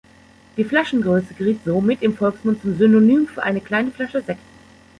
Die Flaschen-Größe geriet somit im Volksmund zum Synonym für eine kleine Flasche Sekt.